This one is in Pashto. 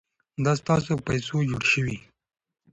دا ستاسو په پیسو جوړ شوي.